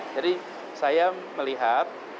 jadi saya melihat